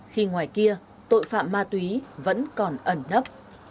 khi ngoài kia tội phạm ma túy vẫn còn ẩn nấp